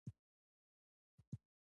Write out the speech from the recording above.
خوړل د خدای مهرباني ده